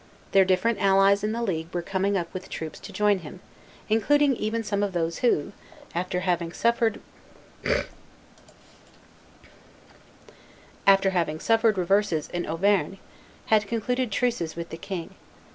Their different allies in the League were coming up with troops to join them, including even some of those who, after having suffered reverses in Auvergne, had concluded truces with the king.